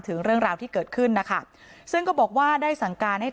ถึงเรื่องราวที่เกิดขึ้นนะคะซึ่งก็บอกว่าได้สั่งการให้